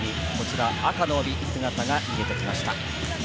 赤の帯、姿が見えてきました。